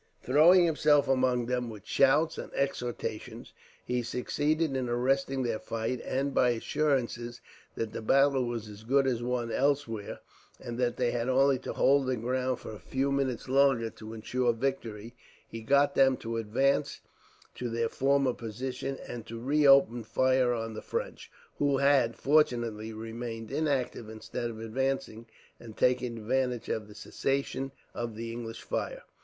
Throwing himself among them, with shouts and exhortations, he succeeded in arresting their flight; and, by assurances that the battle was as good as won elsewhere, and that they had only to hold their ground for a few minutes longer to ensure victory, he got them to advance to their former position; and to reopen fire on the French, who had, fortunately, remained inactive instead of advancing and taking advantage of the cessation of the English fire.